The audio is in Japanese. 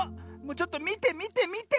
ちょっとみてみてみて。